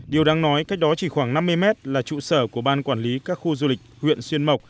điều đáng nói cách đó chỉ khoảng năm mươi mét là trụ sở của ban quản lý các khu du lịch huyện xuyên mộc